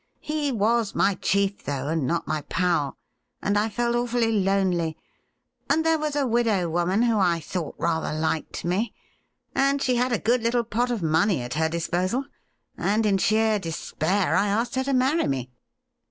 He was my chief, though, and not my pal ; and I felt awfully lonely, and there was a widow woman who I thought rather liked me — and she had a good little pot of money at her disposal — and in sheer despair I asked her to marry me.'